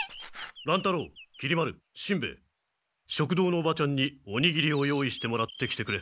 乱太郎きり丸しんべヱ食堂のおばちゃんにおにぎりを用意してもらってきてくれ。